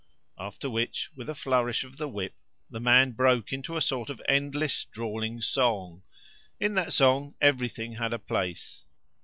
After which, with a flourish of the whip, the man broke into a sort of endless, drawling song. In that song everything had a place.